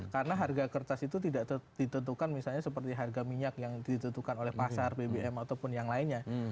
karena harga kertas itu tidak ditentukan misalnya seperti harga minyak yang ditentukan oleh pasar bbm ataupun yang lainnya